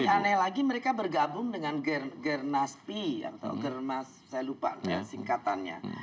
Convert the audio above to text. aneh lagi mereka bergabung dengan gernaspi atau germas saya lupa singkatannya